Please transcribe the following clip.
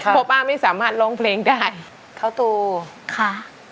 เพราะป้าไม่สามารถลองเพลงได้เค้าตูค่ะ